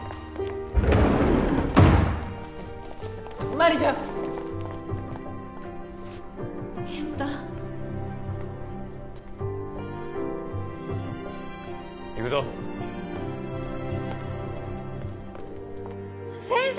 麻里ちゃん！健太行くぞ先生！